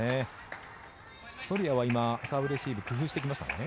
ソルヤは今サーブレシーブを工夫してきましたね。